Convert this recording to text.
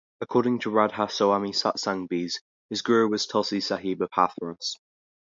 According to Radha Soami Satsang Beas, his guru was Tulsi Sahib of Hathras.